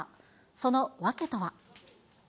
その訳とは。